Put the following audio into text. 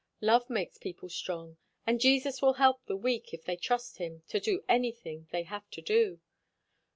"Love makes people strong. And Jesus will help the weak, if they trust him, to do anything they have to do."